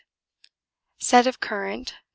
Set of current N.